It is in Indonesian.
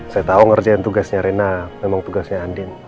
saya tahu ngerjain tugasnya rena memang tugasnya andin